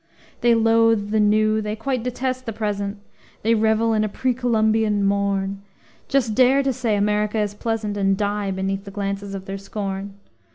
They loathe the new, they quite detest the present; They revel in a pre Columbian morn; Just dare to say America is pleasant, And die beneath the glances of their scorn.